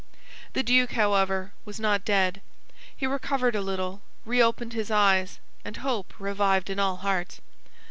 The duke, however, was not dead. He recovered a little, reopened his eyes, and hope revived in all hearts.